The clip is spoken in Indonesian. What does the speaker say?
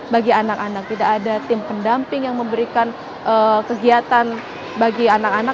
bagi anak anak tidak ada tim pendamping yang memberikan kegiatan bagi anak anak